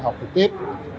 học trực tiếp